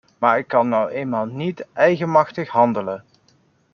Maar ik kan nu eenmaal niet eigenmachtig handelen.